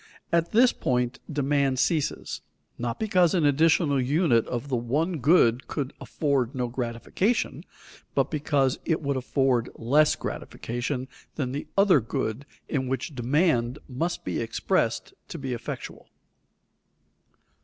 At this point demand ceases, not because an additional unit of the one good could afford no gratification, but because it would afford less gratification than the other good in which demand must be expressed to be effectual.